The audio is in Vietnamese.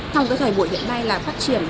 trong thời buổi hiện nay là phát triển